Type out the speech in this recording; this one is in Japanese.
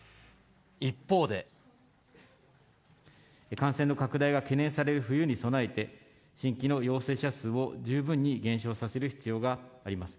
感染の拡大が懸念される冬に備えて、新規の陽性者数を十分に減少させる必要があります。